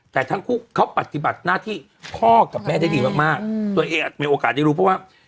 แต่ทั้งคู่เขาปฏิบัติหน้าที่พ่อกับแม่ได้ดีมากตัวเองมีโอกาสได้รู้เพราะว่า